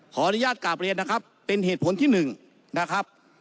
ขออนุญาตกราบเรียนนะครับเป็นเหตุผลที่๑นะครับ